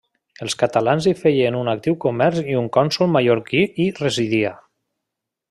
Els catalans hi feien un actiu comerç i un cònsol mallorquí hi residia.